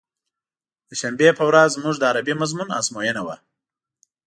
د شنبې په ورځ زموږ د عربي مضمون ازموينه وه.